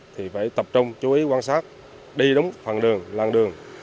thì phải tập trung chú ý quan sát đi đúng phần đường làng đường